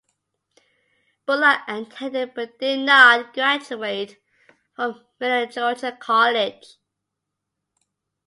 Bullard attended but did not graduate from Middle Georgia College.